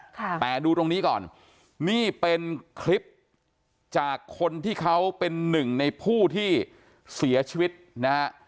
ค่ะแต่ดูตรงนี้ก่อนนี่เป็นคลิปจากคนที่เขาเป็นหนึ่งในผู้ที่เสียชีวิตนะฮะ